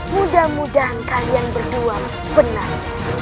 mudah mudahan kalian berdua benar